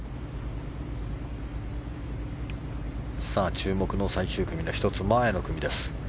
注目の最終組の１つ前の組です。